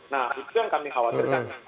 nah itu yang kami khawatirkan